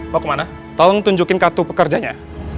mau kemana tolong tunjukin kartu pekerjanya